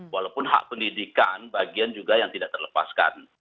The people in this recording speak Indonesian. walaupun hak pendidikan bagian juga yang tidak terlepaskan